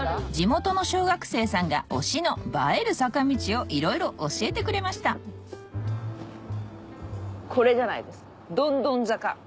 地元の小学生さんが推しの映える坂道をいろいろ教えてくれましたこれじゃないですか？